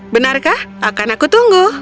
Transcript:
benarkah akan aku tunggu